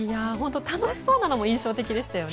楽しそうなのも印象的でしたね。